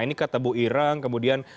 ini kata bu irang kemudian